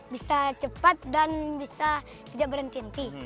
bisa cepat dan bisa tidak berhenti henti